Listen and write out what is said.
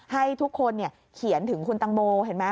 ให้ทุกคนเขียนถึงคุณตังโมเห็นไหม